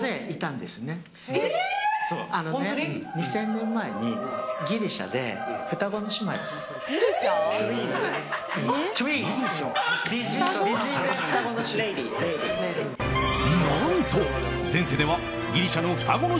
２０００年前にギリシャで双子の姉妹だったの。